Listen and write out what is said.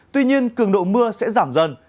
tuy nhiên cường độ mưa sẽ giảm dần